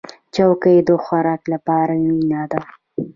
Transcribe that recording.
چوکۍ د خوراک لپاره اړینه ده.